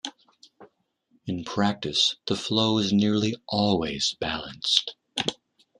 In practice, the flow is nearly always balanced.